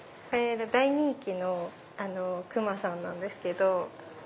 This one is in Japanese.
大人気のくまさんなんですけど。